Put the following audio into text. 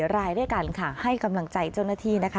รายด้วยกันค่ะให้กำลังใจเจ้าหน้าที่นะคะ